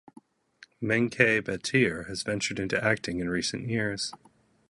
Mengke Bateer has ventured into acting in recent years.